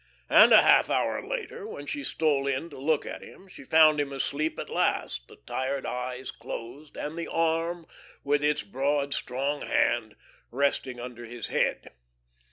And a half hour later, when she stole in to look at him, she found him asleep at last, the tired eyes closed, and the arm, with its broad, strong hand, resting under his head.